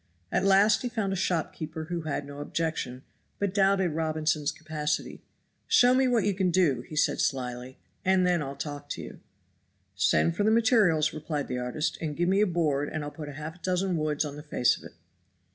At last he found a shopkeeper who had no objection, but doubted Robinson's capacity. "Show me what you can do," said he slyly, "and then I'll talk to you." "Send for the materials," replied the artist, "and give me a board and I'll put half a dozen woods on the face of it."